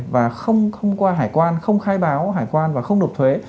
và không qua hải quan không khai báo hải quan và không nộp thuế